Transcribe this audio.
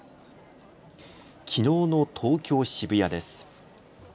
きのうの東京渋谷です。